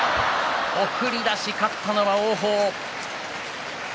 送り出し、勝ったのは王鵬。